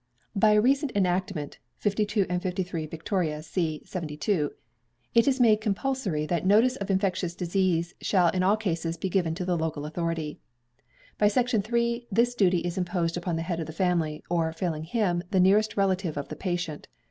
By a recent enactment (52 and 53 Vic. c. 72) it is made compulsory that notice of infectious disease shall in all cases be given to the local authority. By section 3 this duty is imposed on the head of the family, or, failing him, the nearest relative of the patient.